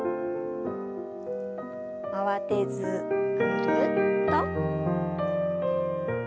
慌てずぐるっと。